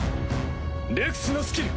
ルクスのスキル！